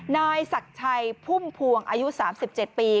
นายศักดิ์ชัยพุ่มพวงอายุ๓๗ปี